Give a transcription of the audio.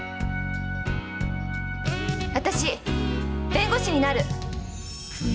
私弁護士になる！